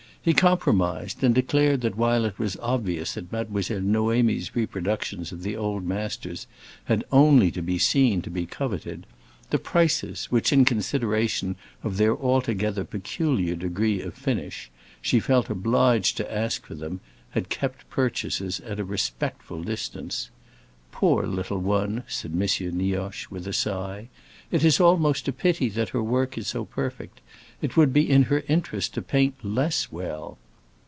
He compromised, and declared that while it was obvious that Mademoiselle Noémie's reproductions of the old masters had only to be seen to be coveted, the prices which, in consideration of their altogether peculiar degree of finish, she felt obliged to ask for them had kept purchasers at a respectful distance. "Poor little one!" said M. Nioche, with a sigh; "it is almost a pity that her work is so perfect! It would be in her interest to paint less well."